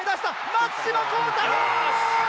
松島幸太朗！